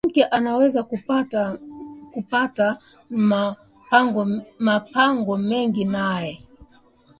Mwanamuke anaweza kupata ma mpango mingi naye